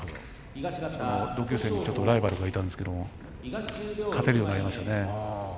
同級生にライバルがいたんですけど勝てるようになりましたね。